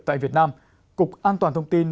tại việt nam cục an toàn thông tin